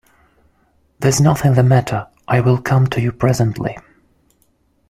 There's nothing the matter; I will come to you presently.